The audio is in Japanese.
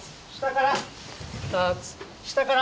下から。